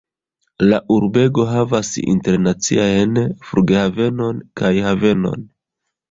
La urbego havas internaciajn flughavenon kaj havenon.